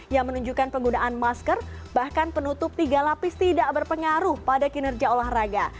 yang menunjukkan penggunaan masker bahkan penutup tiga lapis tidak berpengaruh pada kinerja olahraga